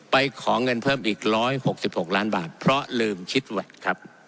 ไปขอเงินเพิ่มอีก๑๖๖ล้านบาทเพราะลืมคิดแวดครับ